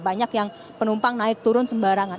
banyak yang penumpang naik turun sembarangan